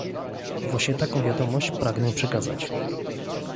Właśnie taką wiadomość pragnę przekazać